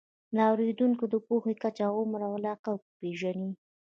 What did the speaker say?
د اورېدونکو د پوهې کچه، عمر او علاقه وپېژنئ.